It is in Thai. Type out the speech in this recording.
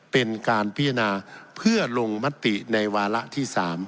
เป็นการพิจารณาเพื่อลงมติในวาระที่๓